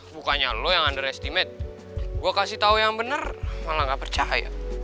bukannya lo yang underestimate gue kasih tau yang benar malah gak percaya